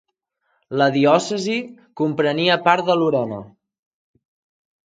La diòcesi comprenia part de Lorena.